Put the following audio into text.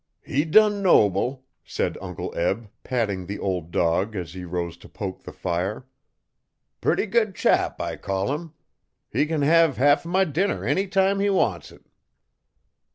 'He done noble,' said Uncle Eb, patting the old dog as he rose to poke the fire. 'Putty good chap I call 'im! He can hev half o' my dinner any time he wants it.'